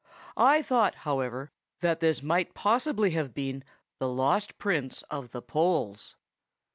I thought, however, that this might possibly have been the Lost Prince of the Poles."